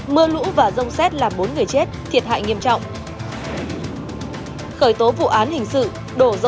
mưa lũ và rông xét làm bốn người chết thiệt hại nghiêm trọng